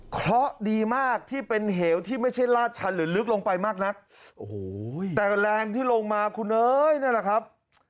เพราะดีมากที่เป็นเหวที่ไม่ใช่ลาดชันหรือลึกลงไปมากนักโอ้โหแต่แรงที่ลงมาคุณเอ้ยนั่นแหละครับ